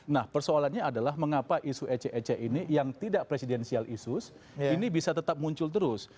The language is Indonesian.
nah persoalannya adalah mengapa isu ece ecek ini yang tidak presidensial issues ini bisa tetap muncul terus